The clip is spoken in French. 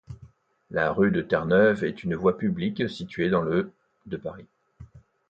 La rue de Terre-Neuve est une voie publique située dans le de Paris.